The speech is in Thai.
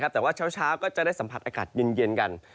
แต่ว่าเช้าก็จะได้สัมผัสอากาศเย็นกัน